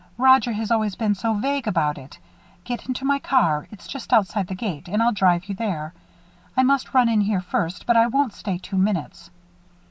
Roger has always been so vague about it. Get into my car it's just outside the gate and I'll drive you there. I must run in here first, but I won't stay two minutes."